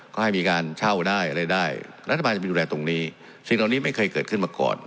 ก็ให้มีการเช่าได้อะไรได้รัฐบาลจะไปดูแลตรงนี้สิ่งเหล่านี้ไม่เคยเกิดขึ้นมาก่อน